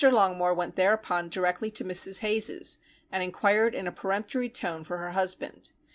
Longmore went thereupon directly to Mrs. Hayes's, and enquired in a peremptory tone for her husband.